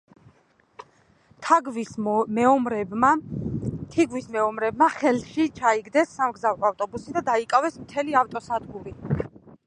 თიგვ–ის მეომრებმა ხელში ჩაიგდეს სამგზავრო ავტობუსი და დაიკავეს მთელი ავტოსადგური.